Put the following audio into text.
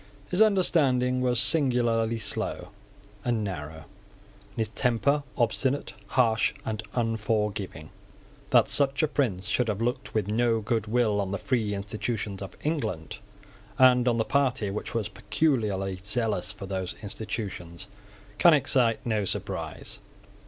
His understanding was singularly slow and narrow, and his temper obstinate, harsh, and unforgiving. That such a prince should have looked with no good will on the free institutions of England, and on the party which was peculiarly zealous for those institutions, can excite no surprise.